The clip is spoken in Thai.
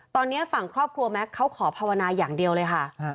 ตอนนี้ฝั่งครอบครัวแม็กซ์เขาขอภาวนาอย่างเดียวเลยค่ะ